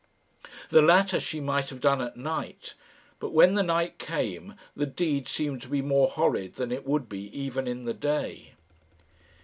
The latter she might have done at night, but when the night came the deed seemed to be more horrid than it would be even in the day.